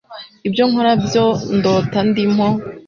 Ibyo nkora n'ibyo ndota ndimo,